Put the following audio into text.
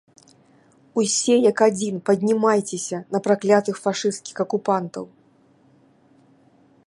Усе, як адзін, паднімайцеся на праклятых фашысцкіх акупантаў!